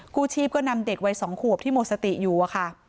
กู้ชีพก็นำเด็กวัย๒ขวบที่หมดสติอยู่อะค่ะ